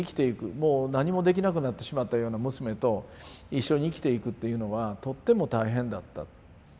もう何もできなくなってしまったような娘と一緒に生きていくっていうのはとっても大変だった。